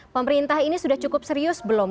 pemerintah ini sudah cukup serius belum